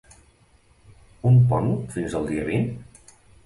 Un pont fins el dia vint?